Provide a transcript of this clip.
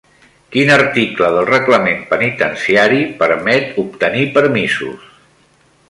Quin article del reglament penitenciari permet obtenir permisos?